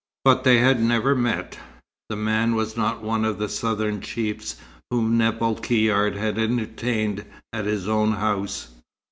But they had never met. The man was not one of the southern chiefs whom Nevill Caird had entertained at his own house.